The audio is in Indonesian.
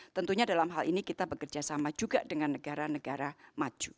tentunya dalam hal ini kita bekerja sama juga dengan negara negara maju